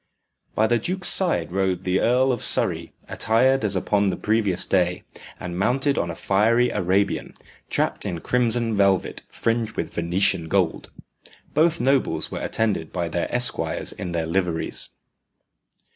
By the duke's side rode the Earl of Surrey attired as upon the previous day, and mounted on a fiery Arabian, trapped in crimson velvet fringed with Venetian gold. Both nobles were attended by their esquires in their liveries.